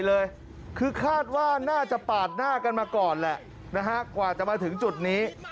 เออมึงปาดหน้าคนอื่นมึงคิดมึงเท่